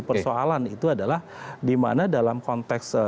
persoalan itu adalah dimana dalam konteks